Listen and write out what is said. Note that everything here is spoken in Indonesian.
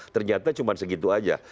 ternyata cuma segitu aja